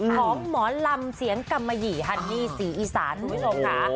ของหมอลำเสียงกำมะหยี่ฮันนี่ศรีอีสานโอ้โหโห